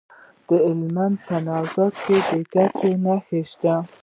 د هلمند په نوزاد کې د ګچ نښې شته.